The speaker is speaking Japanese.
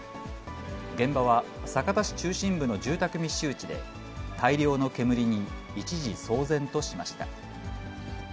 現場は、酒田市中心部の住宅密集地で、大量の煙に一時騒然としました。